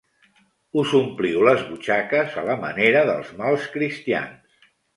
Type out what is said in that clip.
Us ompliu les butxaques a la manera dels mals cristians.